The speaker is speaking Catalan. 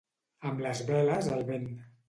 Amb les veles al vent.